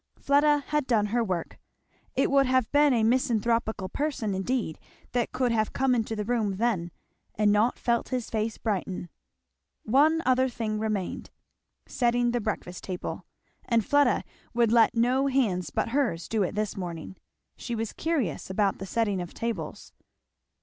Fleda had done her work. It would have been a misanthropical person indeed that could have come into the room then and not felt his face brighten. One other thing remained, setting the breakfast table; and Fleda would let no hands but hers do it this morning; she was curious about the setting of tables.